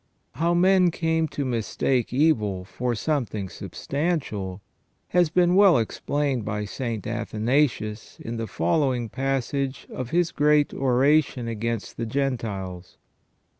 How men came to mistake evil for something substantial, has been well explained by St. Athanasius in the following passage of his great Oration against the Gentiles.